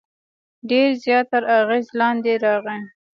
ډېر زیات تر اغېز لاندې راغی.